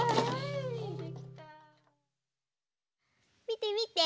みてみて！